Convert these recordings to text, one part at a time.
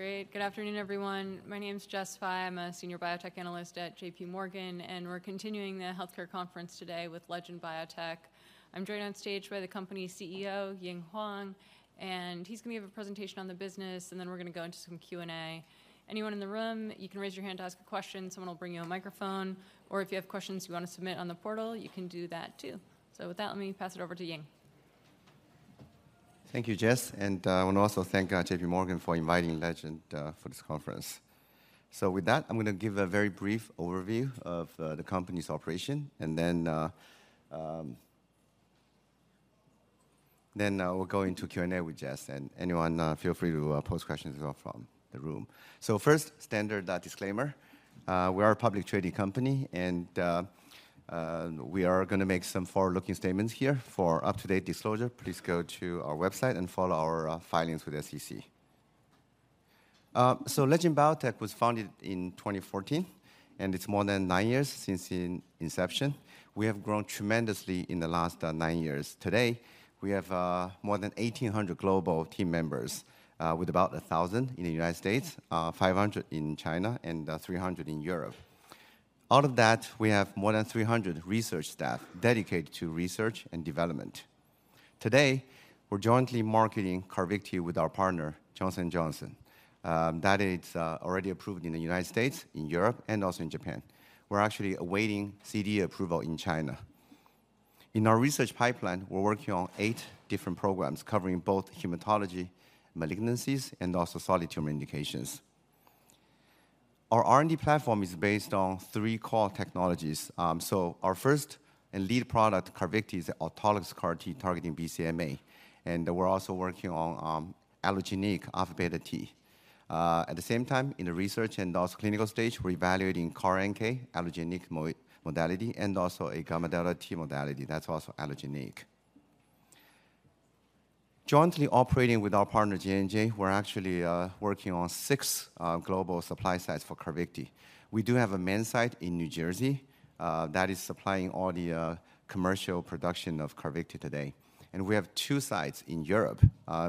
Great. Good afternoon, everyone. My name is Jessica Fye. I'm a senior biotech analyst at J.P. Morgan, and we're continuing the healthcare conference today with Legend Biotech. I'm joined on stage by the company's CEO, Ying Huang, and he's going to give a presentation on the business, and then we're going to go into some Q&A. Anyone in the room, you can raise your hand to ask a question, someone will bring you a microphone, or if you have questions you want to submit on the portal, you can do that too. So with that, let me pass it over to Ying. Thank you, Jess, and I want to also thank J.P. Morgan for inviting Legend for this conference. So with that, I'm going to give a very brief overview of the company's operation, and then we'll go into Q&A with Jess, and anyone feel free to pose questions as well from the room. So first, standard disclaimer. We are a public traded company, and we are going to make some forward-looking statements here. For up-to-date disclosure, please go to our website and follow our filings with SEC. So Legend Biotech was founded in 2014, and it's more than nine years since the inception. We have grown tremendously in the last nine years. Today, we have more than 1,800 global team members with about 1,000 in the United States, 500 in China, and 300 in Europe. Out of that, we have more than 300 research staff dedicated to research and development. Today, we're jointly marketing CARVYKTI with our partner, Johnson & Johnson. That is already approved in the United States, in Europe, and also in Japan. We're actually awaiting CDA approval in China. In our research pipeline, we're working on eight different programs covering both hematology, malignancies, and also solid tumor indications. Our R&D platform is based on three core technologies. So our first and lead product, CARVYKTI, is an autologous CAR-T targeting BCMA, and we're also working on allogeneic alpha beta T. At the same time, in the research and also clinical stage, we're evaluating CAR NK, allogeneic modality, and also a gamma delta T modality that's also allogeneic. Jointly operating with our partner, J&J, we're actually working on six global supply sites for CARVYKTI. We do have a main site in New Jersey that is supplying all the commercial production of CARVYKTI today, and we have two sites in Europe.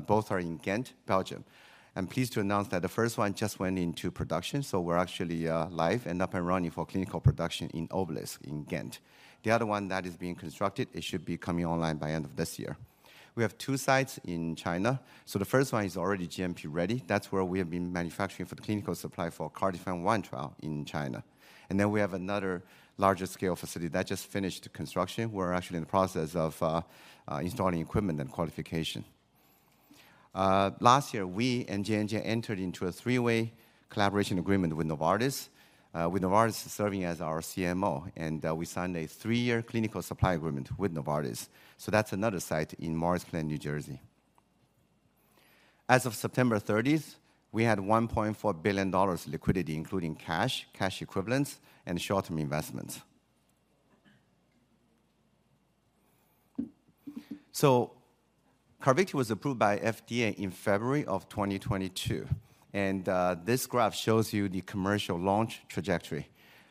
Both are in Ghent, Belgium. I'm pleased to announce that the first one just went into production, so we're actually live and up and running for clinical production in Obelisc in Ghent. The other one that is being constructed, it should be coming online by end of this year. We have two sites in China. So the first one is already GMP-ready. That's where we have been manufacturing for the clinical supply for CAR-T Find One trial in China. And then we have another larger scale facility that just finished construction. We're actually in the process of installing equipment and qualification. Last year, we and JNJ entered into a three-way collaboration agreement with Novartis, with Novartis serving as our CMO, and we signed a three-year clinical supply agreement with Novartis. So that's another site in Morris Plains, New Jersey. As of September thirtieth, we had $1.4 billion liquidity, including cash, cash equivalents, and short-term investments. So CARVYKTI was approved by FDA in February of 2022, and this graph shows you the commercial launch trajectory.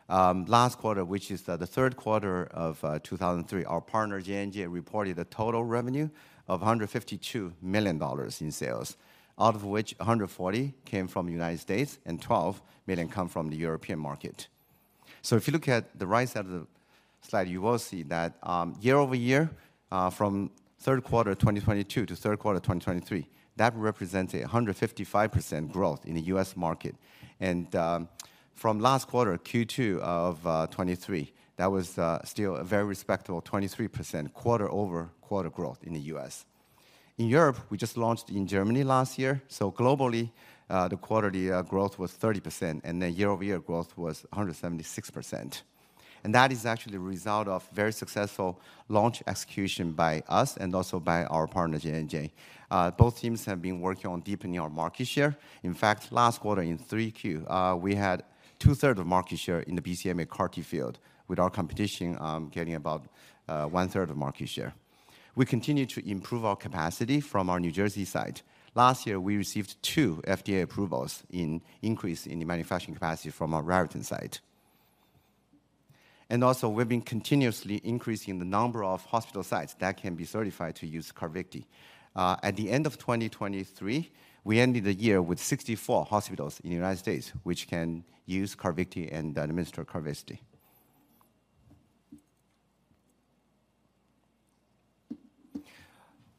Last quarter, which is the Q3 of 2023, our partner, J&J, reported a total revenue of $152 million in sales, out of which $140 million came from the United States and $12 million come from the European market. So if you look at the right side of the slide, you will see that, year-over-year, from Q3 2022 to Q3 of 2023, that represents 155% growth in the U.S. market. And from last quarter, Q2 of 2023, that was still a very respectable 23% quarter-over-quarter growth in the U.S. In Europe, we just launched in Germany last year, so globally, the quarterly growth was 30%, and the year-over-year growth was 176%. That is actually a result of very successful launch execution by us and also by our partner, J&J. Both teams have been working on deepening our market share. In fact, last quarter in Q3, we had two-thirds of market share in the BCMA CAR-T field, with our competition getting about one-third of market share. We continue to improve our capacity from our New Jersey site. Last year, we received two FDA approvals in increase in the manufacturing capacity from our Raritan site. And also, we've been continuously increasing the number of hospital sites that can be certified to use CARVYKTI. At the end of 2023, we ended the year with 64 hospitals in the United States, which can use CARVYKTI and administer CARVYKTI.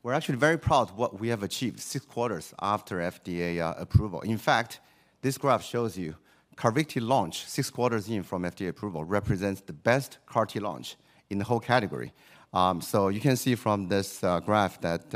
We're actually very proud of what we have achieved 6 quarters after FDA approval. In fact, this graph shows you CARVYKTI launch, six quarters in from FDA approval, represents the best CAR-T launch in the whole category. So you can see from this graph that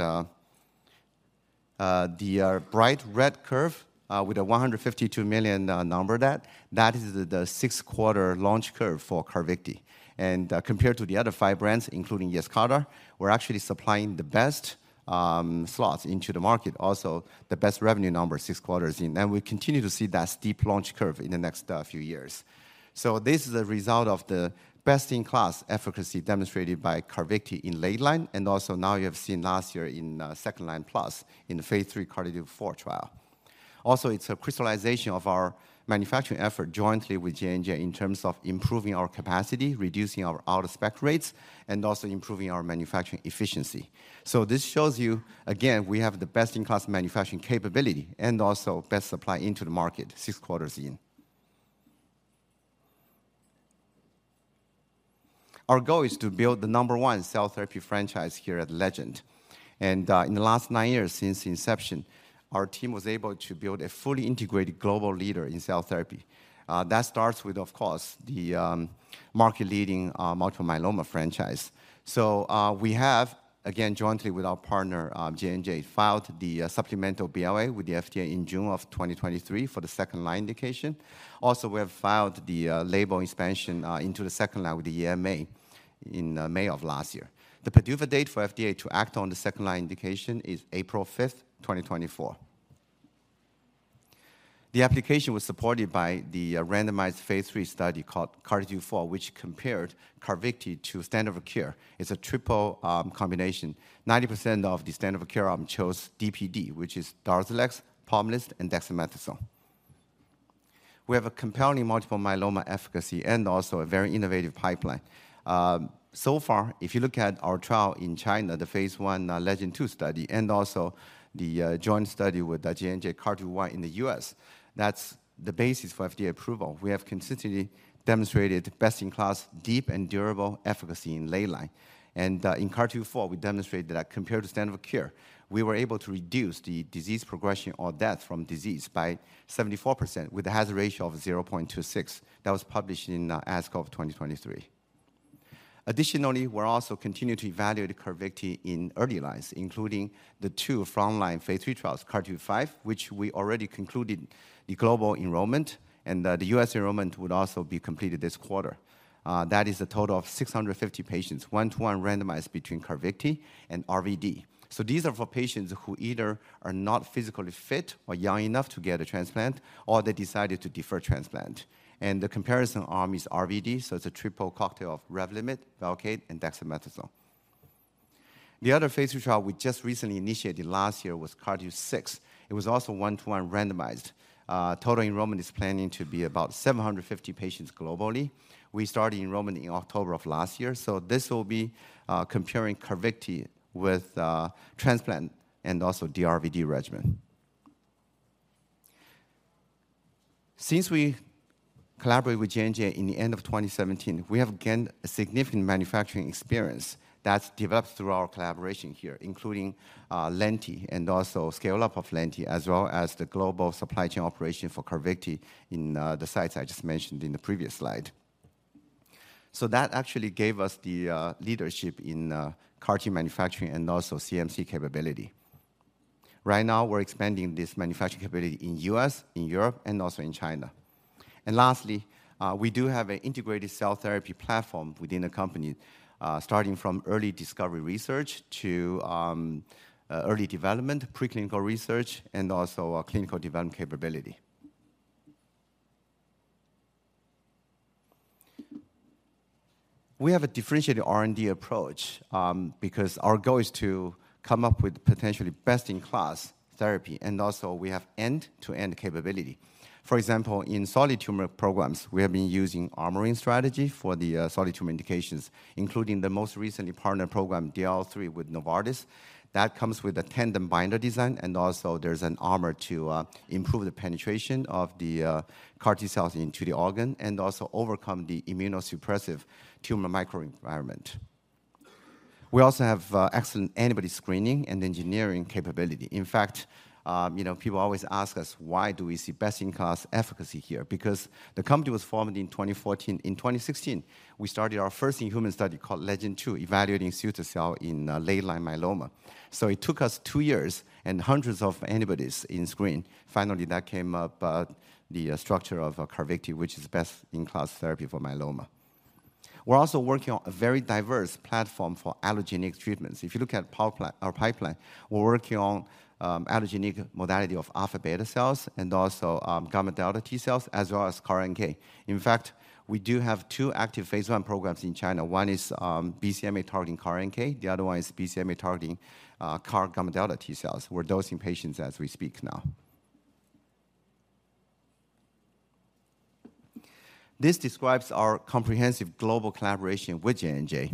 the bright red curve with a $152 million number that is the six-quarter launch curve for CARVYKTI. And compared to the other five brands, including Yescarta, we're actually supplying the best slots into the market, also the best revenue number six quarters in, and we continue to see that steep launch curve in the next few years. So this is a result of the best-in-class efficacy demonstrated by CARVYKTI in late line, and also now you have seen last year in second line plus in the phase 3 CARTITUDE-4 trial. Also, it's a crystallization of our manufacturing effort jointly with J&J in terms of improving our capacity, reducing our out-of-spec rates, and also improving our manufacturing efficiency. So this shows you, again, we have the best-in-class manufacturing capability and also best supply into the market six quarters in. Our goal is to build the number one cell therapy franchise here at Legend. In the last nine years since inception, our team was able to build a fully integrated global leader in cell therapy. That starts with, of course, the market-leading multiple myeloma franchise. So, we have, again, jointly with our partner, J&J, filed the supplemental BLA with the FDA in June of 2023 for the second line indication. Also, we have filed the label expansion into the second line with the EMA in May of last year. The PDUFA date for FDA to act on the second-line indication is April fifth, 2024. The application was supported by the randomized phase 3 study called CARTITUDE-4, which compared CARVYKTI to standard of care. It's a triple combination. 90% of the standard of care arm chose DPd, which is Darzalex, Pomalyst, and Dexamethasone. We have a compelling multiple myeloma efficacy and also a very innovative pipeline. So far, if you look at our trial in China, the phase 1 LEGEND-2 study, and also the joint study with J&J, CARTITUDE-1 in the U.S., that's the basis for FDA approval. We have consistently demonstrated best-in-class, deep and durable efficacy in late line. In CARTITUDE-4, we demonstrated that compared to standard of care, we were able to reduce the disease progression or death from disease by 74%, with a hazard ratio of 0.26. That was published in ASCO of 2023. Additionally, we're also continuing to evaluate CARVYKTI in early lines, including the two frontline phase 3 trials, CARTITUDE-5, which we already concluded the global enrollment, and the US enrollment would also be completed this quarter. That is a total of 650 patients, 1:1 randomized between CARVYKTI and RVD. So these are for patients who either are not physically fit or young enough to get a transplant, or they decided to defer transplant. And the comparison arm is RVD, so it's a triple cocktail of Revlimid, Velcade, and Dexamethasone. The other phase 3 trial we just recently initiated last year was CARTITUDE-6. It was also 1:1 randomized. Total enrollment is planning to be about 750 patients globally. We started enrollment in October of last year, so this will be comparing CARVYKTI with transplant and also DRVD regimen. Since we collaborated with J&J in the end of 2017, we have gained significant manufacturing experience that's developed through our collaboration here, including Lenti and also scale-up of Lenti, as well as the global supply chain operation for CARVYKTI in the sites I just mentioned in the previous slide. So that actually gave us the leadership in CAR-T manufacturing and also CMC capability. Right now, we're expanding this manufacturing capability in U.S., in Europe, and also in China. And lastly, we do have an integrated cell therapy platform within the company, starting from early discovery research to early development, preclinical research, and also our clinical development capability. We have a differentiated R&D approach, because our goal is to come up with potentially best-in-class therapy, and also we have end-to-end capability. For example, in solid tumor programs, we have been using armoring strategy for the solid tumor indications, including the most recently partnered program, DLL3, with Novartis. That comes with a tandem binder design, and also there's an armor to improve the penetration of the CAR T cells into the organ and also overcome the immunosuppressive tumor microenvironment. We also have excellent antibody screening and engineering capability. In fact, you know, people always ask us, why do we see best-in-class efficacy here? Because the company was formed in 2014. In 2016, we started our first in-human study called LEGEND-2, evaluating ciltacabtagene autoleucel in late-line myeloma. So it took us two years and hundreds of antibodies to screen. Finally, that came up the structure of CARVYKTI, which is best-in-class therapy for myeloma. We're also working on a very diverse platform for allogeneic treatments. If you look at our pipeline, we're working on allogeneic modality of alpha beta cells and also gamma delta T cells, as well as CAR NK. In fact, we do have two active phase 1 programs in China. One is BCMA-targeting CAR NK, the other one is BCMA-targeting CAR gamma delta T cells. We're dosing patients as we speak now. This describes our comprehensive global collaboration with J&J.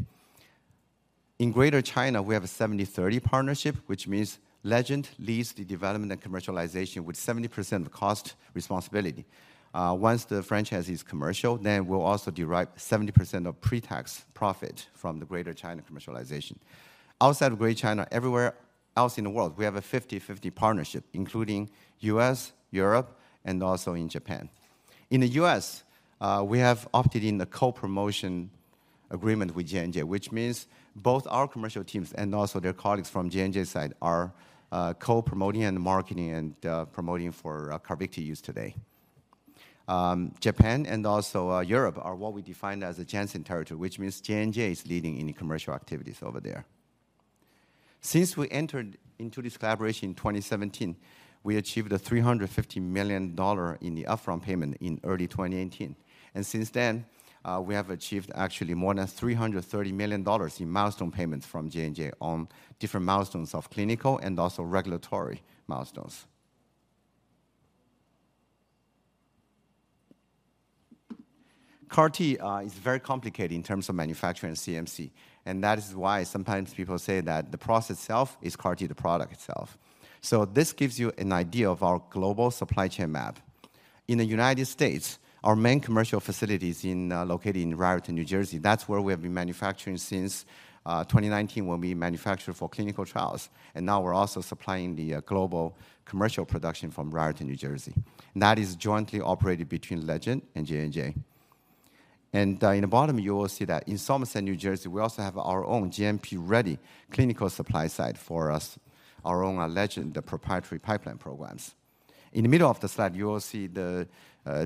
In Greater China, we have a 70-30 partnership, which means Legend leads the development and commercialization with 70% of the cost responsibility. Once the franchise is commercial, then we'll also derive 70% of pre-tax profit from the Greater China commercialization. Outside of Greater China, everywhere else in the world, we have a 50/50 partnership, including U.S., Europe, and also in Japan. In the U.S., we have opted in the co-promotion agreement with J&J, which means both our commercial teams and also their colleagues from J&J side are co-promoting and marketing and promoting for CARVYKTI use today. Japan and also Europe are what we defined as a Janssen territory, which means J&J is leading any commercial activities over there. Since we entered into this collaboration in 2017, we achieved a $350 million dollar in the upfront payment in early 2018. Since then, we have achieved actually more than $330 million in milestone payments from J&J on different milestones of clinical and also regulatory milestones. CAR T is very complicated in terms of manufacturing CMC, and that is why sometimes people say that the process itself is CAR T, the product itself. So this gives you an idea of our global supply chain map.... In the United States, our main commercial facility is located in Raritan, New Jersey. That's where we have been manufacturing since 2019 when we manufactured for clinical trials, and now we're also supplying the global commercial production from Raritan, New Jersey. That is jointly operated between Legend and J&J. And in the bottom, you will see that in Somerset, New Jersey, we also have our own GMP-ready clinical supply site for us, our own Legend, the proprietary pipeline programs. In the middle of the slide, you will see the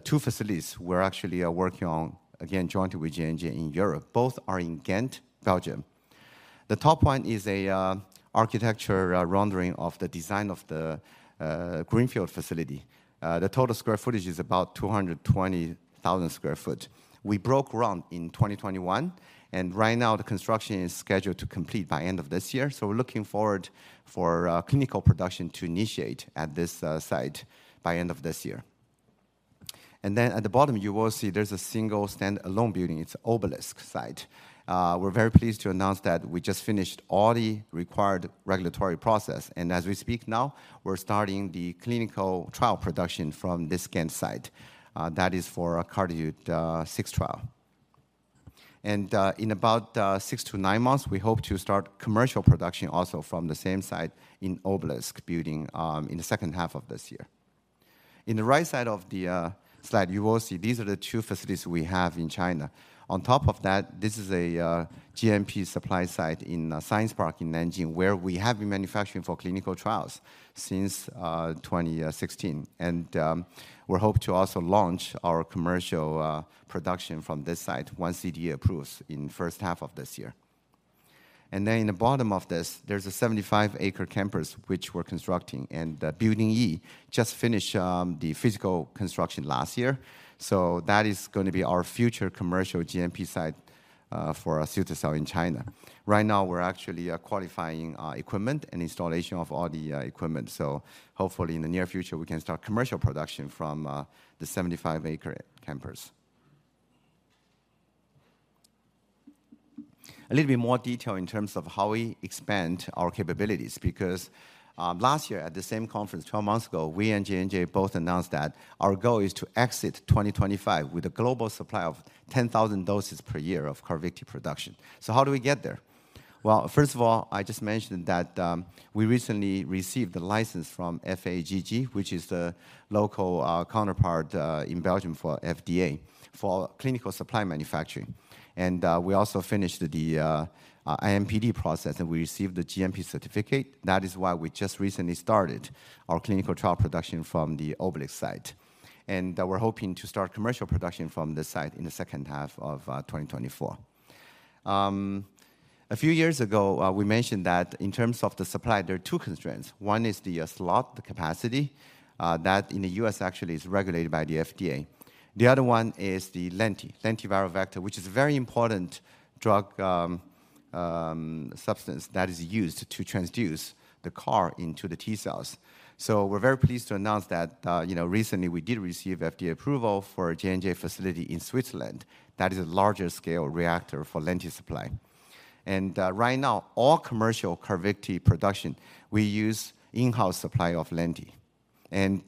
two facilities we're actually are working on, again, jointly with J&J in Europe. Both are in Ghent, Belgium. The top one is a architecture rendering of the design of the greenfield facility. The total square footage is about 220,000 sq ft. We broke ground in 2021, and right now the construction is scheduled to complete by end of this year, so we're looking forward for clinical production to initiate at this site by end of this year. And then at the bottom, you will see there's a single standalone building. It's Obelisc site. We're very pleased to announce that we just finished all the required regulatory process, and as we speak now, we're starting the clinical trial production from this Ghent site. That is for CARTITUDE-6 trial. And in about 6-9 months, we hope to start commercial production also from the same site in Obelisc building in the second half of this year. In the right side of the slide, you will see these are the two facilities we have in China. On top of that, this is a GMP supply site in a science park in Nanjing, where we have been manufacturing for clinical trials since 2016. And we hope to also launch our commercial production from this site once CDA approves in first half of this year. Then in the bottom of this, there's a 75-acre campus which we're constructing, and the Building E just finished the physical construction last year. So that is going to be our future commercial GMP site for our cell to cell in China. Right now, we're actually qualifying our equipment and installation of all the equipment, so hopefully in the near future, we can start commercial production from the 75-acre campus. A little bit more detail in terms of how we expand our capabilities, because last year at the same conference, twelve months ago, we and J&J both announced that our goal is to exit 2025 with a global supply of 10,000 doses per year of CARVYKTI production. So how do we get there? Well, first of all, I just mentioned that, we recently received the license from FAGG, which is the local, counterpart, in Belgium for FDA, for clinical supply manufacturing. And, we also finished the, IMPD process, and we received the GMP certificate. That is why we just recently started our clinical trial production from the Obelisc site, and, we're hoping to start commercial production from this site in the second half of 2024. A few years ago, we mentioned that in terms of the supply, there are two constraints. One is the, slot, the capacity, that in the U.S. actually is regulated by the FDA. The other one is the lenti, lentiviral vector, which is a very important drug substance that is used to transduce the CAR into the T cells. So we're very pleased to announce that, you know, recently we did receive FDA approval for a J&J facility in Switzerland. That is a larger scale reactor for lenti supply. And, right now, all commercial CARVYKTI production, we use in-house supply of lenti, and,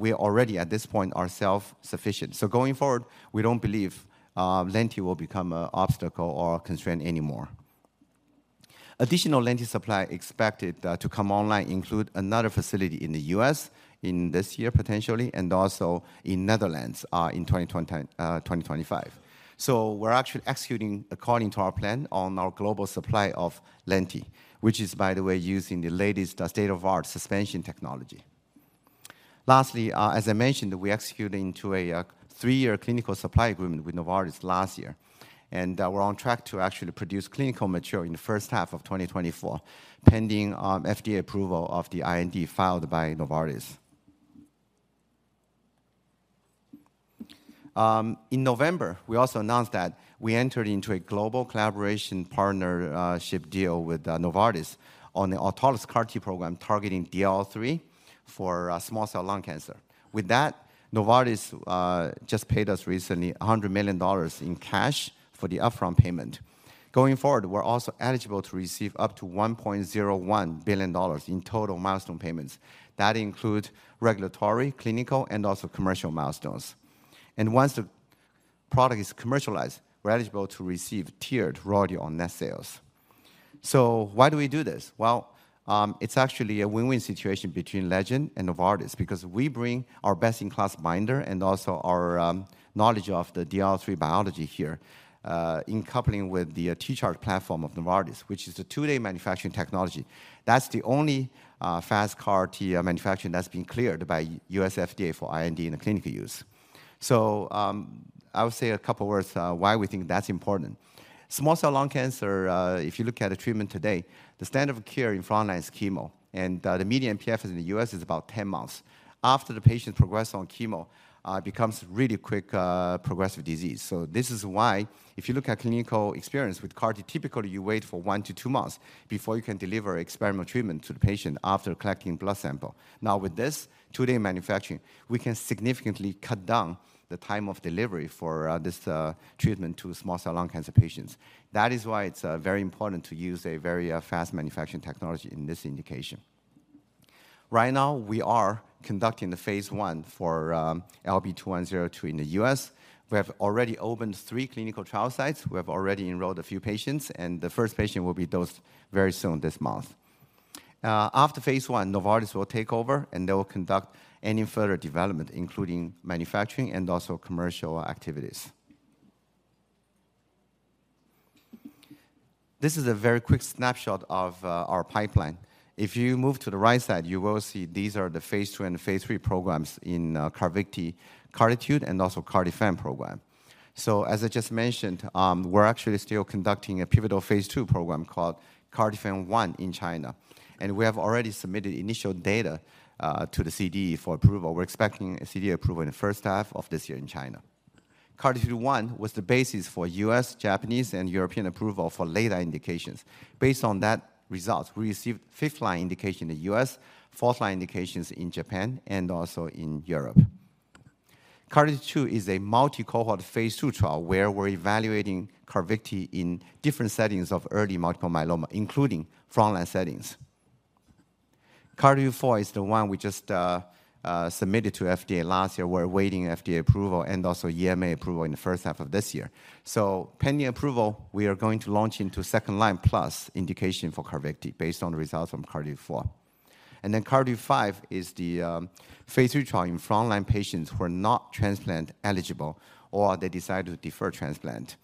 we are already at this point are self-sufficient. So going forward, we don't believe, lenti will become a obstacle or constraint anymore. Additional lenti supply expected, to come online include another facility in the U.S. in this year, potentially, and also in Netherlands, in 2025. So we're actually executing according to our plan on our global supply of lenti, which is, by the way, using the latest state-of-the-art suspension technology. Lastly, as I mentioned, we executed into a three-year clinical supply agreement with Novartis last year, and we're on track to actually produce clinical material in the first half of 2024, pending FDA approval of the IND filed by Novartis. In November, we also announced that we entered into a global collaboration partnership deal with Novartis on the autologous CAR-T program targeting DLL3 for small cell lung cancer. With that, Novartis just paid us recently $100 million in cash for the upfront payment. Going forward, we're also eligible to receive up to $1.01 billion in total milestone payments. That include regulatory, clinical, and also commercial milestones. And once the product is commercialized, we're eligible to receive tiered royalty on net sales. So why do we do this? Well, it's actually a win-win situation between Legend and Novartis because we bring our best-in-class binder and also our knowledge of the DLL3 biology here in coupling with the T-Charm platform of Novartis, which is a two-day manufacturing technology. That's the only fast CAR-T manufacturing that's been cleared by U.S. FDA for IND and clinical use. So, I would say a couple words on why we think that's important. Small cell lung cancer, if you look at the treatment today, the standard of care in frontline is chemo, and the median PFS in the U.S. is about 10 months. After the patient progress on chemo, it becomes really quick progressive disease. So this is why, if you look at clinical experience with CAR-T, typically, you wait for one to two months before you can deliver experimental treatment to the patient after collecting blood sample. Now, with this two-day manufacturing, we can significantly cut down the time of delivery for this treatment to small cell lung cancer patients. That is why it's very important to use a very fast manufacturing technology in this indication. Right now, we are conducting the phase I for LB2102 in the U.S. We have already opened three clinical trial sites. We have already enrolled a few patients, and the first patient will be dosed very soon this month. After phase I, Novartis will take over, and they will conduct any further development, including manufacturing and also commercial activities. This is a very quick snapshot of our pipeline. If you move to the right side, you will see these are the Phase II and Phase III programs in CARVYKTI, CARTITUDE, and also CAR-TFIN program. So as I just mentioned, we're actually still conducting a pivotal Phase II program called CAR-TFIN1 in China, and we have already submitted initial data to the CDA for approval. We're expecting a CDA approval in the first half of this year in China. CARTITUDE-1 was the basis for U.S., Japanese, and European approval for later indications. Based on that result, we received fifth-line indication in the U.S., fourth-line indications in Japan and also in Europe. CARTITUDE-2 is a multi-cohort Phase II trial where we're evaluating CARVYKTI in different settings of early multiple myeloma, including front-line settings. CARTITUDE-4 is the one we just submitted to FDA last year. We're awaiting FDA approval and also EMA approval in the first half of this year. So pending approval, we are going to launch into second-line plus indication for CARVYKTI based on the results from CARTITUDE-4. And then CARTITUDE-5 is the phase 3 trial in front-line patients who are not transplant eligible or they decide to defer transplant.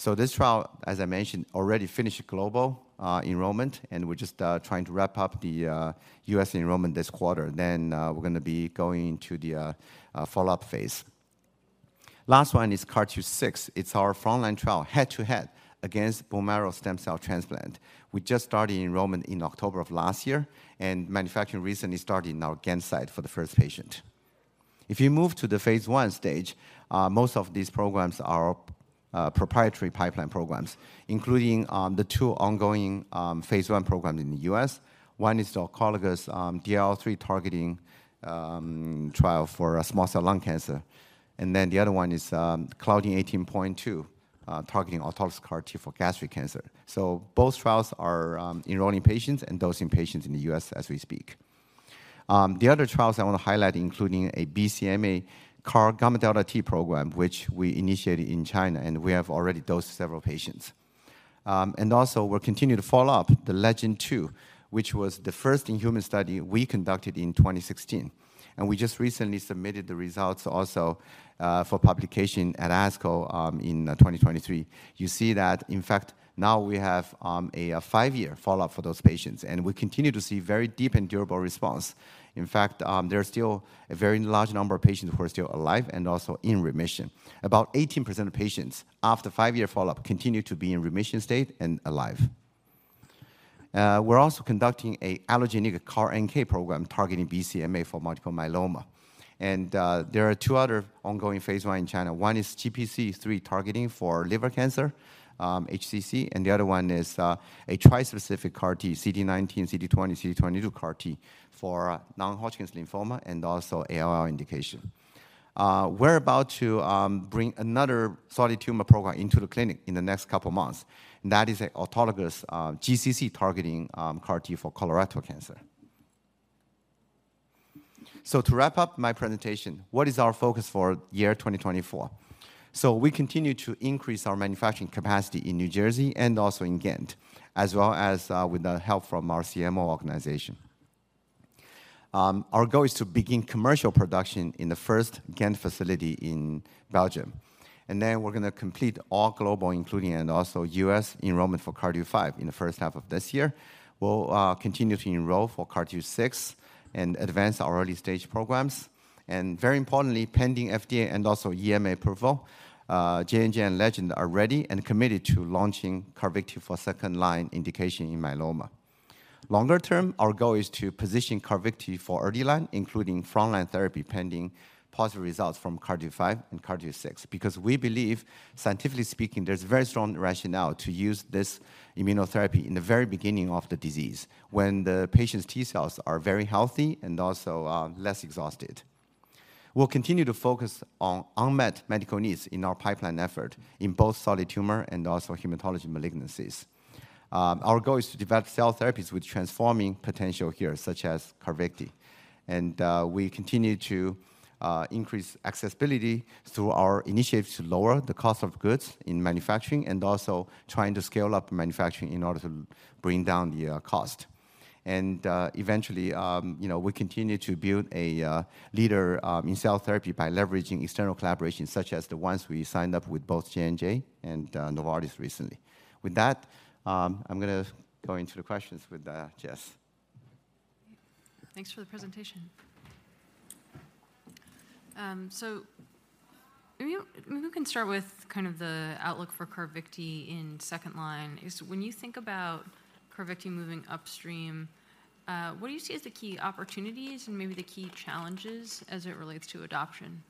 So this trial, as I mentioned, already finished global enrollment, and we're just trying to wrap up the US enrollment this quarter. Then we're going to be going into the follow-up phase. Last one is CARTITUDE-6. It's our front-line trial, head-to-head against bone marrow stem cell transplant. We just started enrollment in October of last year, and manufacturing recently started in our Ghent site for the first patient. If you move to the phase I stage, most of these programs are proprietary pipeline programs, including the two ongoing phase I programs in the US. One is the autologous DLL3 targeting trial for small cell lung cancer, and then the other one is Claudin 18.2 targeting autologous CAR-T for gastric cancer. So both trials are enrolling patients and dosing patients in the US as we speak. The other trials I want to highlight, including a BCMA CAR gamma delta T program, which we initiated in China, and we have already dosed several patients. And also we're continuing to follow up the LEGEND-2, which was the first in-human study we conducted in 2016, and we just recently submitted the results also for publication at ASCO in 2023. You see that, in fact, now we have a five-year follow-up for those patients, and we continue to see very deep and durable response. In fact, there are still a very large number of patients who are still alive and also in remission. About 18% of patients, after five-year follow-up, continue to be in remission state and alive. We're also conducting an allogeneic CAR NK program targeting BCMA for multiple myeloma. And there are two other ongoing phase I in China. One is GPC3 targeting for liver cancer, HCC, and the other one is a tri-specific CAR-T, CD19, CD20, CD22 CAR-T for non-Hodgkin's lymphoma and also ALL indication. We're about to bring another solid tumor program into the clinic in the next couple of months, and that is an autologous GCC targeting CAR-T for colorectal cancer. So to wrap up my presentation, what is our focus for year 2024? So we continue to increase our manufacturing capacity in New Jersey and also in Ghent, as well as with the help from our CMO organization. Our goal is to begin commercial production in the first Ghent facility in Belgium, and then we're going to complete all global, including and also US, enrollment for CARTITUDE-5 in the first half of this year. We'll continue to enroll for CARTITUDE-6 and advance our early-stage programs. And very importantly, pending FDA and also EMA approval, JNJ and Legend are ready and committed to launching CARVYKTI for second-line indication in myeloma. Longer term, our goal is to position CARVYKTI for early line, including front-line therapy, pending positive results from CARTITUDE-5 and CARTITUDE-6. Because we believe, scientifically speaking, there's very strong rationale to use this immunotherapy in the very beginning of the disease when the patient's T cells are very healthy and also, less exhausted. We'll continue to focus on unmet medical needs in our pipeline effort in both solid tumor and also hematology malignancies. Our goal is to develop cell therapies with transforming potential here, such as CARVYKTI, and, we continue to, increase accessibility through our initiatives to lower the cost of goods in manufacturing and also trying to scale up manufacturing in order to bring down the, cost. Eventually, you know, we continue to build a leader in cell therapy by leveraging external collaborations such as the ones we signed up with both JNJ and Novartis recently. With that, I'm going to go into the questions with Jess. Thanks for the presentation. So maybe we can start with kind of the outlook for CARVYKTI in second line. When you think about CARVYKTI moving upstream, what do you see as the key opportunities and maybe the key challenges as it relates to adoption?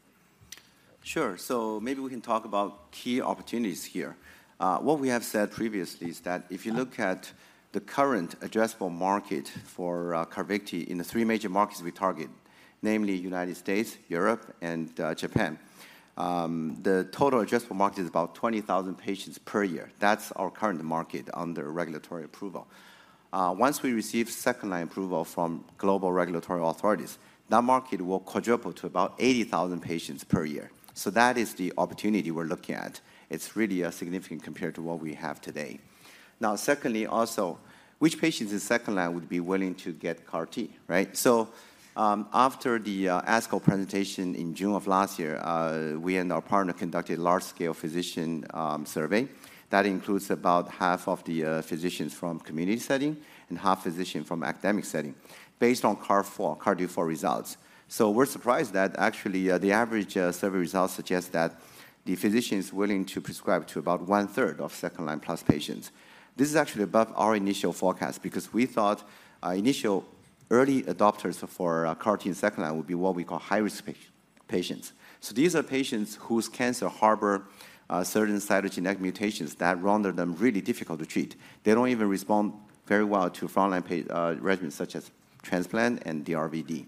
Sure. So maybe we can talk about key opportunities here. What we have said previously is that if you look at the current addressable market for CARVYKTI in the three major markets we target, namely United States, Europe, and Japan. The total addressable market is about 20,000 patients per year. That's our current market under regulatory approval. Once we receive second-line approval from global regulatory authorities, that market will quadruple to about 80,000 patients per year. So that is the opportunity we're looking at. It's really significant compared to what we have today. Now, secondly, also, which patients in second line would be willing to get CAR T, right? So, after the ASCO presentation in June of last year, we and our partner conducted a large-scale physician survey. That includes about half of the physicians from community setting and half physician from academic setting, based on CARTITUDE-4 results. So we're surprised that actually the average survey results suggest that the physician is willing to prescribe to about one third of second-line plus patients. This is actually above our initial forecast because we thought our initial early adopters for CAR-T in second line would be what we call high-risk patients. So these are patients whose cancer harbor certain cytogenetic mutations that render them really difficult to treat. They don't even respond very well to front-line regimens such as transplant and DRVD.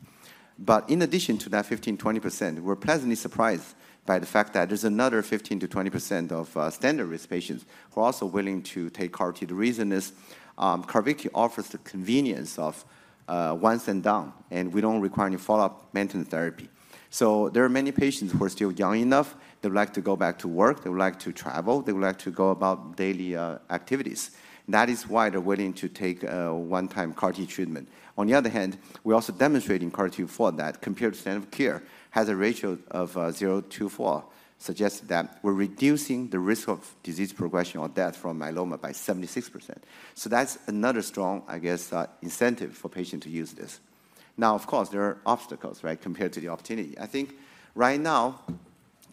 But in addition to that 15%-20%, we're pleasantly surprised by the fact that there's another 15%-20% of standard-risk patients who are also willing to take CAR-T. The reason is, CARVYKTI offers the convenience of once and done, and we don't require any follow-up maintenance therapy. So there are many patients who are still young enough. They would like to go back to work, they would like to travel, they would like to go about daily activities. That is why they're willing to take a one-time CAR-T treatment. On the other hand, we also demonstrate in CARTITUDE-4 that, compared to standard of care, has a ratio of 0.24, suggests that we're reducing the risk of disease progression or death from myeloma by 76%. So that's another strong, I guess, incentive for patient to use this. Now, of course, there are obstacles, right, compared to the opportunity. I think right now,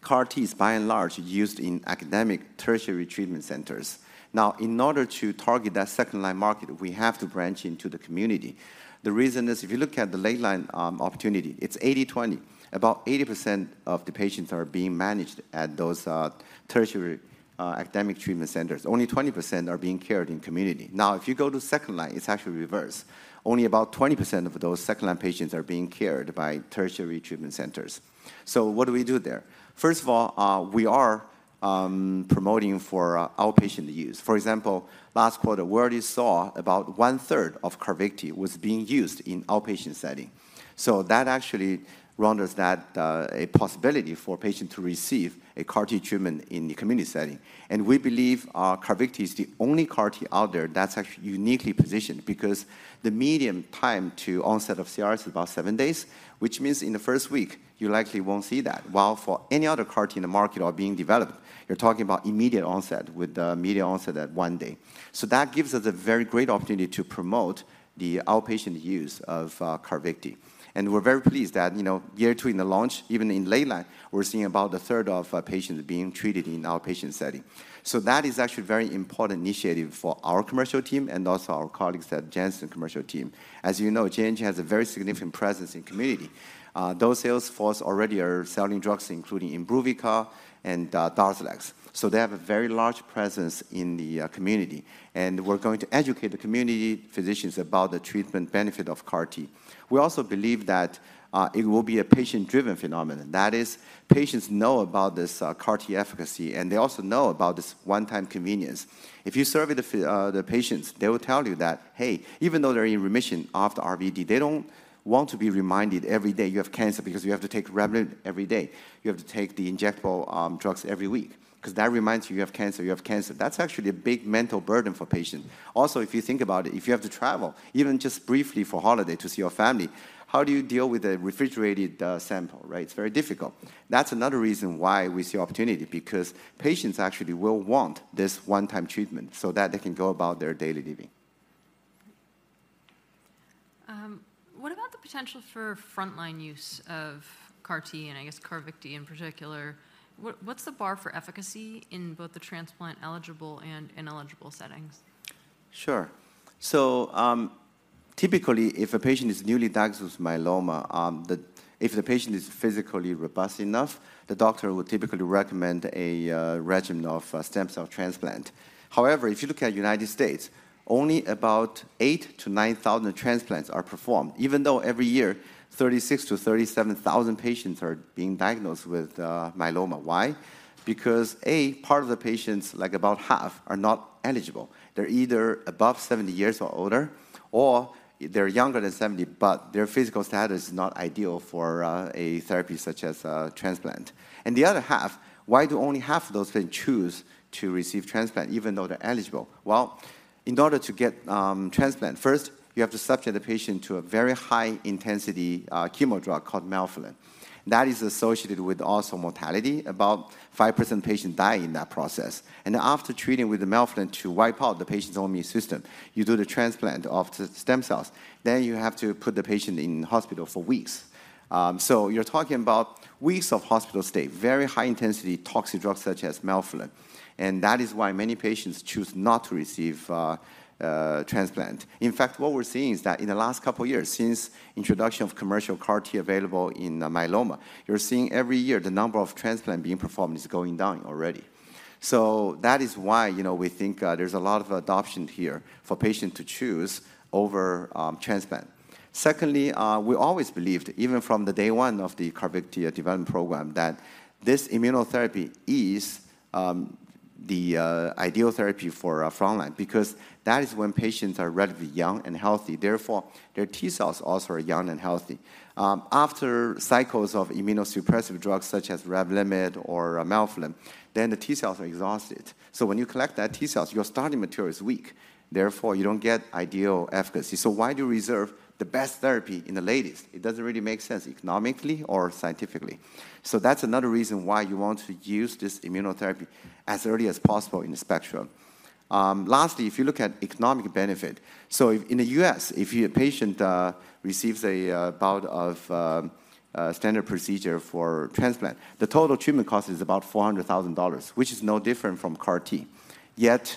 CAR-T is by and large used in academic tertiary treatment centers. Now, in order to target that second-line market, we have to branch into the community. The reason is, if you look at the late line opportunity, it's 80/20. About 80% of the patients are being managed at those tertiary academic treatment centers. Only 20% are being cared in community. Now, if you go to second line, it's actually reverse. Only about 20% of those second-line patients are being cared by tertiary treatment centers. So what do we do there? First of all, we are promoting for outpatient use. For example, last quarter, we already saw about one-third of CARVYKTI was being used in outpatient setting. So that actually renders that a possibility for a patient to receive a CAR-T treatment in the community setting. We believe CARVYKTI is the only CAR-T out there that's actually uniquely positioned because the median time to onset of CRS is about 7 days, which means in the first week, you likely won't see that. While for any other CAR-T in the market or being developed, you're talking about immediate onset with the median onset at 1 day. So that gives us a very great opportunity to promote the outpatient use of CARVYKTI. And we're very pleased that, you know, year two in the launch, even in late line, we're seeing about a third of patients being treated in outpatient setting. So that is actually a very important initiative for our commercial team and also our colleagues at Janssen commercial team. As you know, J&J has a very significant presence in community. Those sales force already are selling drugs, including Imbruvica and Darzalex. So they have a very large presence in the community, and we're going to educate the community physicians about the treatment benefit of CAR T. We also believe that it will be a patient-driven phenomenon, that is, patients know about this CAR T efficacy, and they also know about this one-time convenience. If you survey the patients, they will tell you that, "Hey, even though they're in remission off the RVD, they don't want to be reminded every day you have cancer because you have to take Revlimid every day. You have to take the injectable drugs every week, because that reminds you, you have cancer, you have cancer." That's actually a big mental burden for patients. Also, if you think about it, if you have to travel, even just briefly for holiday to see your family, how do you deal with a refrigerated sample, right? It's very difficult. That's another reason why we see opportunity, because patients actually will want this one-time treatment so that they can go about their daily living. What about the potential for frontline use of CAR-T, and I guess CARVYKTI in particular? What’s the bar for efficacy in both the transplant-eligible and ineligible settings? Sure. So, typically, if a patient is newly diagnosed with myeloma, the-- if the patient is physically robust enough, the doctor would typically recommend a regimen of stem cell transplant. However, if you look at United States, only about 8,000-9,000 transplants are performed, even though every year, 36,000-37,000 patients are being diagnosed with myeloma. Why? Because, a, part of the patients, like about half, are not eligible. They're either above 70 years or older, or they're younger than 70, but their physical status is not ideal for a therapy such as a transplant. And the other half, why do only half of those then choose to receive transplant, even though they're eligible? Well, in order to get transplant, first, you have to subject the patient to a very high-intensity chemo drug called Melphalan. That is associated with also mortality. About 5% of patients die in that process. And after treating with the Melphalan to wipe out the patient's immune system, you do the transplant of the stem cells, then you have to put the patient in hospital for weeks. So you're talking about weeks of hospital stay, very high-intensity toxic drugs such as Melphalan, and that is why many patients choose not to receive transplant. In fact, what we're seeing is that in the last couple of years, since introduction of commercial CAR T available in the myeloma, you're seeing every year the number of transplants being performed is going down already. So that is why, you know, we think there's a lot of adoption here for patient to choose over transplant. Secondly, we always believed, even from day one of the CARVYKTI development program, that this immunotherapy is the ideal therapy for frontline, because that is when patients are relatively young and healthy, therefore, their T cells also are young and healthy. After cycles of immunosuppressive drugs such as Revlimid or Melphalan, then the T cells are exhausted. So when you collect the T cells, your starting material is weak, therefore, you don't get ideal efficacy. So why do you reserve the best therapy in the later lines? It doesn't really make sense economically or scientifically. So that's another reason why you want to use this immunotherapy as early as possible in the spectrum. Lastly, if you look at economic benefit, so if in the US, if your patient receives a bout of standard procedure for transplant, the total treatment cost is about $400,000, which is no different from CAR T. Yet,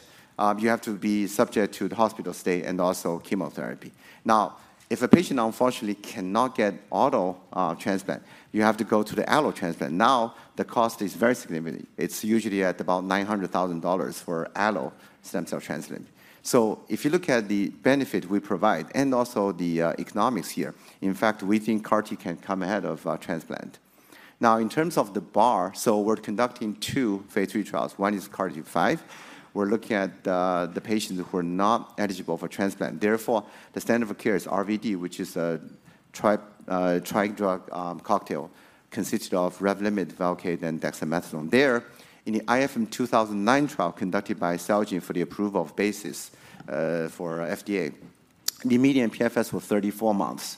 you have to be subject to the hospital stay and also chemotherapy. Now, if a patient unfortunately cannot get auto transplant, you have to go to the allo transplant. Now, the cost is very significant. It's usually at about $900,000 for allo stem cell transplant. So if you look at the benefit we provide and also the economics here, in fact, we think CAR T can come ahead of transplant. Now, in terms of the bar, so we're conducting two phase III trials. One is CARTITUDE-5. We're looking at the patients who are not eligible for transplant. Therefore, the standard of care is RVD, which is a tri, tri-drug cocktail consisted of Revlimid, Velcade, and dexamethasone. There, in the IFM 2009 trial conducted by Celgene for the approval of basis for FDA, the median PFS was 34 months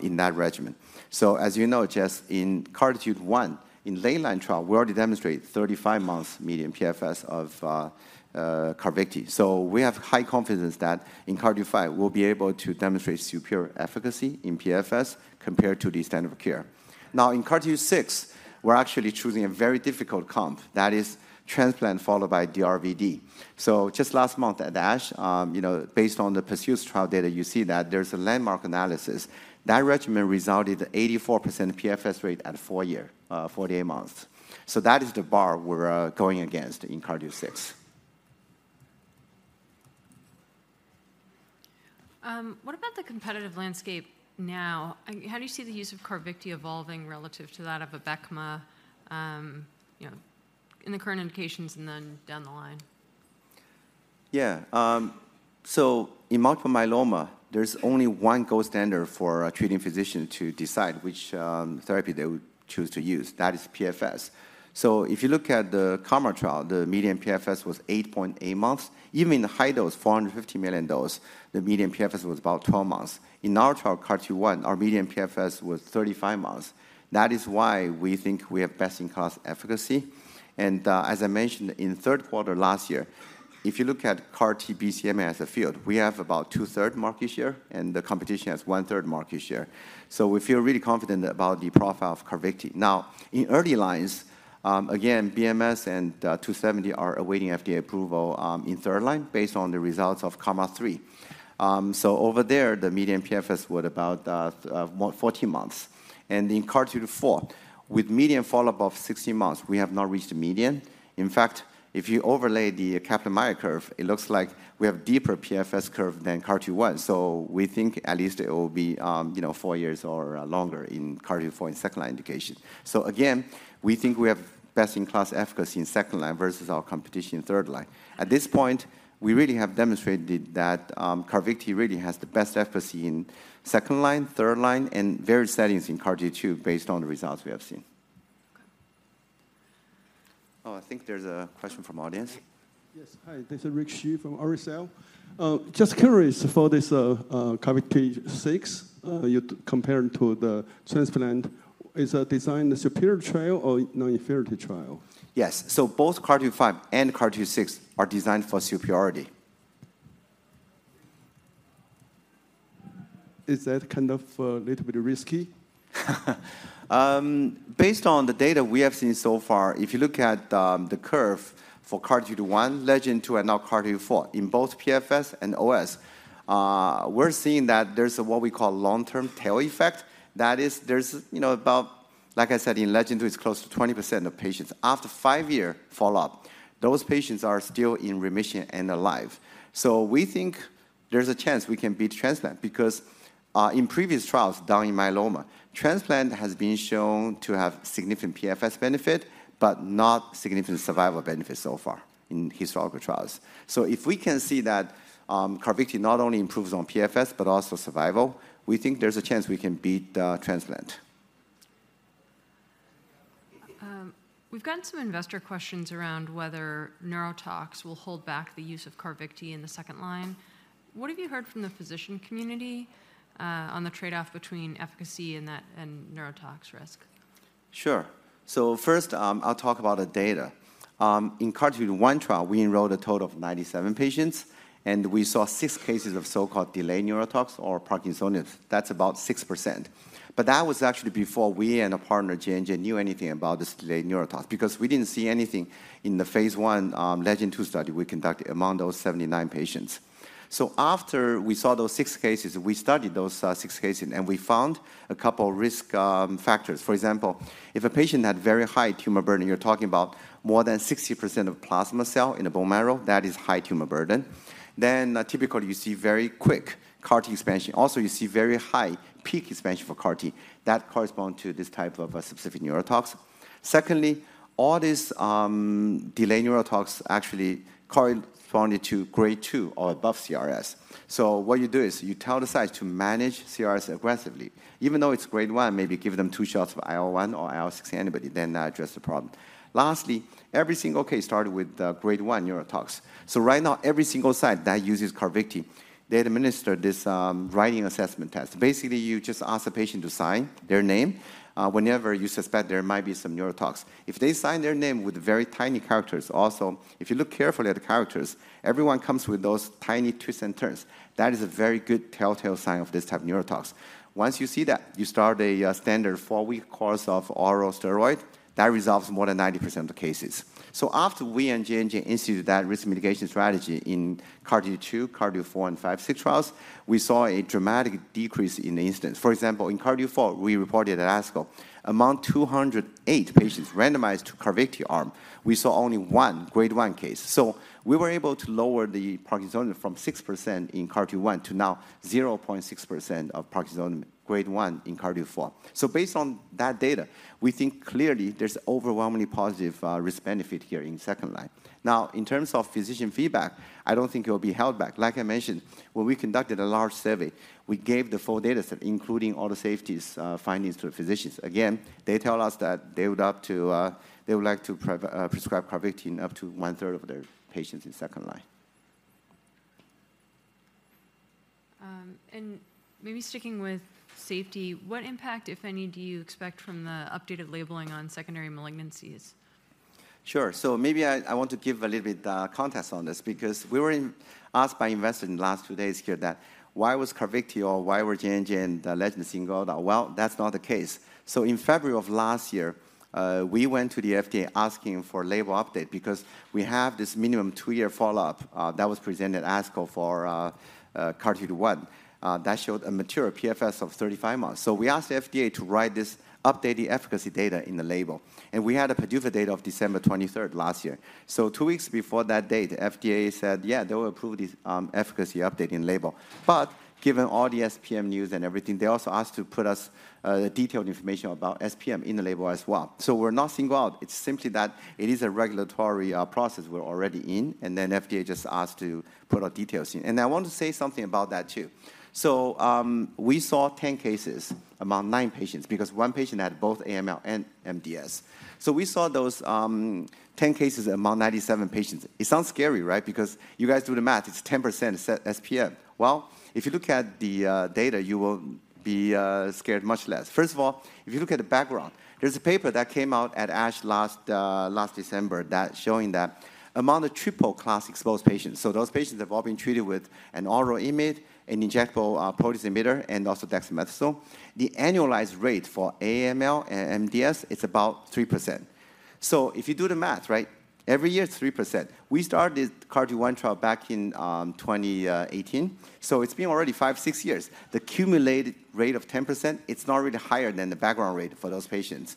in that regimen. So as you know, just in CARTITUDE-1, in mainline trial, we already demonstrate 35 months median PFS of CARVYKTI. So we have high confidence that in CARTITUDE-5, we'll be able to demonstrate superior efficacy in PFS compared to the standard of care. Now, in CARTITUDE-6, we're actually choosing a very difficult comp, that is transplant, followed by DRVD. So just last month at ASH, you know, based on the Pursue trial data, you see that there's a landmark analysis. That regimen resulted in 84% PFS rate at 4-year, 48 months. So that is the bar we're going against in CARTITUDE-6. What about the competitive landscape now? How do you see the use of CARVYKTI evolving relative to that of Abecma, you know, in the current indications and then down the line? Yeah. So in Multiple Myeloma, there's only one gold standard for a treating physician to decide which therapy they would choose to use, that is PFS. So if you look at the KarMMa trial, the median PFS was 8.8 months. Even in the high dose, 450 million dose, the median PFS was about 12 months. In our trial, CARTITUDE-1, our median PFS was 35 months. That is why we think we have best-in-class efficacy, and as I mentioned in the Q3 last year, if you look at CAR-T BCMA as a field, we have about two-thirds market share, and the competition has one-third market share. So we feel really confident about the profile of CARVYKTI. Now, in early lines, again, BMS and two seventy are awaiting FDA approval in third line based on the results of KarMMa-3. So over there, the median PFS was about 14 months. In CARTITUDE-4, with median follow-up of 16 months, we have not reached the median. In fact, if you overlay the Kaplan-Meier curve, it looks like we have deeper PFS curve than CARTITUDE-1. So we think at least it will be, you know, 4 years or longer in CARTITUDE-4 in second-line indication. So again, we think we have best-in-class efficacy in second line versus our competition in third line. At this point, we really have demonstrated that CARVYKTI really has the best efficacy in second line, third line, and various settings in CARTITUDE-2, based on the results we have seen. Okay. Oh, I think there's a question from audience. Yes. Hi, this is Rick Xu from RSL. Just curious, for this CARTITUDE-6, you compared to the transplant, is designed a superior trial or non-inferiority trial? Yes. So both CARTITUDE-5 and CARTITUDE-6 are designed for superiority. Is that kind of little bit risky? Based on the data we have seen so far, if you look at the curve for CARTITUDE-1, LEGEND-2, and now CARTITUDE-4, in both PFS and OS, we're seeing that there's what we call long-term tail effect. That is, there's, you know, about... Like I said, in LEGEND-2, it's close to 20% of patients. After five-year follow-up, those patients are still in remission and alive. So we think there's a chance we can beat transplant because in previous trials, down in myeloma, transplant has been shown to have significant PFS benefit, but not significant survival benefit so far in historical trials. So if we can see that, CARVYKTI not only improves on PFS, but also survival, we think there's a chance we can beat transplant. We've gotten some investor questions around whether neurotox will hold back the use of CARVYKTI in the second line. What have you heard from the physician community, on the trade-off between efficacy and that, and neurotox risk? Sure. So first, I'll talk about the data. In CARTITUDE-1 trial, we enrolled a total of 97 patients, and we saw 6 cases of so-called delayed neurotox or Parkinsonism. That's about 6%. But that was actually before we and our partner, JJ, knew anything about this delayed neurotox, because we didn't see anything in the phase 1, LEGEND-2 study we conducted among those 79 patients. So after we saw those 6 cases, we studied those 6 cases, and we found a couple of risk factors. For example, if a patient had very high tumor burden, you're talking about more than 60% of plasma cell in the bone marrow, that is high tumor burden, then, typically, you see very quick CAR-T expansion. Also, you see very high peak expansion for CAR-T. That correspond to this type of a specific neurotox.... Secondly, all these delayed neurotox actually corresponded to grade 2 or above CRS. So what you do is you tell the site to manage CRS aggressively, even though it's grade 1, maybe give them 2 shots of IL-1 or IL-6 antibody, then that address the problem. Lastly, every single case started with grade 1 neurotox. So right now, every single site that uses CARVYKTI, they administer this writing assessment test. Basically, you just ask the patient to sign their name whenever you suspect there might be some neurotox. If they sign their name with very tiny characters, also, if you look carefully at the characters, everyone comes with those tiny twists and turns. That is a very good telltale sign of this type of neurotox. Once you see that, you start a standard 4-week course of oral steroid, that resolves more than 90% of the cases. So after we and J&J instituted that risk mitigation strategy in CARTITUDE-2, CARTITUDE-4, and 5, 6 trials, we saw a dramatic decrease in incidence. For example, in CARTITUDE-4, we reported at ASCO, among 208 patients randomized to CARVYKTI arm, we saw only one grade 1 case. So we were able to lower the Parkinsonian from 6% in CARTITUDE-1 to now 0.6% of Parkinson grade 1 in CARTITUDE-4. So based on that data, we think clearly there's overwhelmingly positive risk-benefit here in second-line. Now, in terms of physician feedback, I don't think it will be held back. Like I mentioned, when we conducted a large survey, we gave the full dataset, including all the safeties findings, to the physicians. Again, they tell us that they would like to prescribe CARVYKTI up to one-third of their patients in second-line. Maybe sticking with safety, what impact, if any, do you expect from the updated labeling on secondary malignancies? Sure. So maybe I want to give a little bit of context on this, because we were asked by investors in the last 2 days here that, why was CARVYKTI or why were JNJ and Legend singled out? Well, that's not the case. In February of last year, we went to the FDA asking for label update because we have this minimum 2-year follow-up that was presented at ASCO for CARTITUDE-1 that showed a material PFS of 35 months. So we asked the FDA to write this updated efficacy data in the label, and we had a PDUFA date of December 23 last year. So 2 weeks before that date, the FDA said, yeah, they will approve this efficacy update in label. But given all the SPM news and everything, they also asked to put us, detailed information about SPM in the label as well. So we're not singled out. It's simply that it is a regulatory, process we're already in, and then FDA just asked to put our details in. And I want to say something about that, too. So, we saw 10 cases among nine patients because one patient had both AML and MDS. So we saw those, 10 cases among 97 patients. It sounds scary, right? Because you guys do the math, it's 10% SPM. Well, if you look at the, data, you will be, scared much less. First of all, if you look at the background, there's a paper that came out at ASH last last December that showing that among the triple class exposed patients, so those patients have all been treated with an oral IMiD, an injectable proteasome inhibitor, and also dexamethasone. The annualized rate for AML and MDS is about 3%. So if you do the math, right, every year is 3%. We started CARTITUDE-1 trial back in 2018, so it's been already five, six years. The accumulated rate of 10%, it's not really higher than the background rate for those patients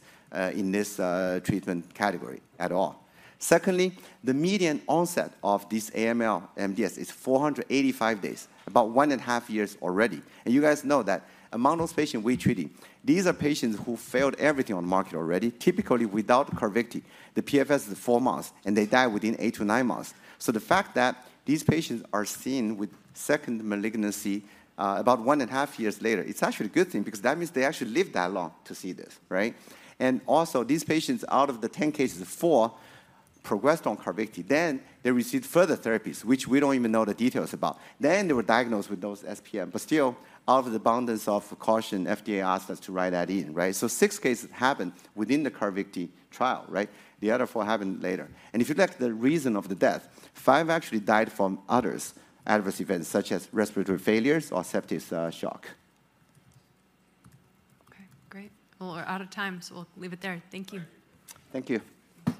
in this treatment category at all. Secondly, the median onset of this AML, MDS is 485 days, about one and a half years already. You guys know that among those patients we treated, these are patients who failed everything on the market already, typically without CARVYKTI. The PFS is 4 months, and they die within 8-9 months. So the fact that these patients are seen with second malignancy, about 1.5 years later, it's actually a good thing because that means they actually lived that long to see this, right? And also, these patients, out of the 10 cases, 4 progressed on CARVYKTI, then they received further therapies, which we don't even know the details about. Then they were diagnosed with those SPM, but still, out of the abundance of caution, FDA asked us to write that in, right? So 6 cases happened within the CARVYKTI trial, right? The other 4 happened later. If you look at the reason of the death, five actually died from other adverse events, such as respiratory failures or septic shock. Okay, great. Well, we're out of time, so we'll leave it there. Thank you. Thank you.